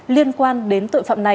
liên quan đến tội phạm này